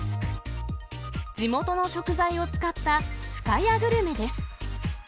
地元の食材を使った深谷グルメです。